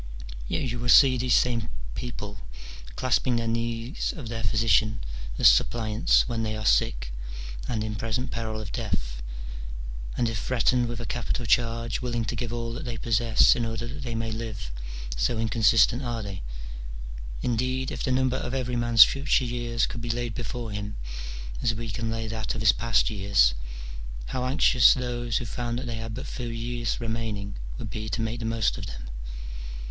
Yet you will see these 300 MINOR DIALOGUES. [bK. X. same people clasping the knees of their physician as sup pliants when they are sick and in present peril of death, and if threatened with a capital charge willing to give all that they possess in order that they may live : so incon sistent are they. Indeed, if the number of every man's future years coald be laid before him, as we can lay that of his past years, how anxious those who found that they had but few years remaining would be to make the most of them